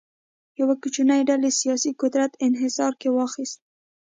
یوه کوچنۍ ډلې سیاسي قدرت انحصار کې واخیست.